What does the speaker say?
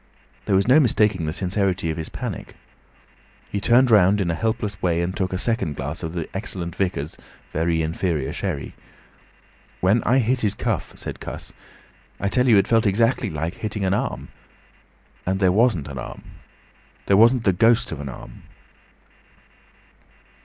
There was no mistaking the sincerity of his panic. He turned round in a helpless way and took a second glass of the excellent vicar's very inferior sherry. "When I hit his cuff," said Cuss, "I tell you, it felt exactly like hitting an arm. And there wasn't an arm! There wasn't the ghost of an arm!"